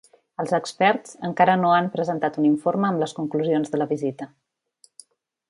Els experts encara no han presentat un informe amb les conclusions de la visita.